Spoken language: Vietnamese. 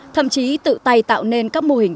thậm chí tự tay tạo nên các mô hình